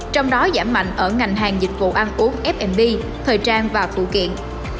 trong đó giảm mạnh ở ngành hàng dịch vụ ăn uống thời trang và phụ kiện